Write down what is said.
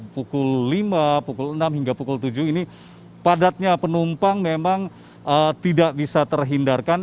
pukul lima pukul enam hingga pukul tujuh ini padatnya penumpang memang tidak bisa terhindarkan